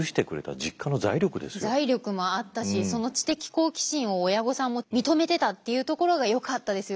財力もあったしその知的好奇心を親御さんも認めてたっていうところがよかったですよね。